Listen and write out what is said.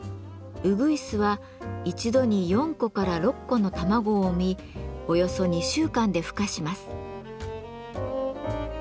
うぐいすは一度に４個から６個の卵を産みおよそ２週間でふ化します。